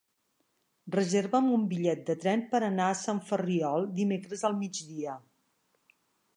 Reserva'm un bitllet de tren per anar a Sant Ferriol dimecres al migdia.